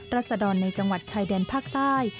รัศดรในจังหวัดชายแดนภาคใต้